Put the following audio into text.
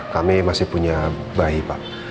kami masih punya bayi pak